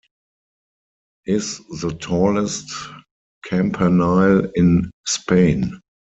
Is the tallest campanile in Spain.